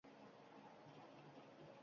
jumladan, telegram va Whats appga bogʻlash